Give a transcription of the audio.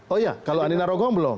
oh ya kalau andina rogong belum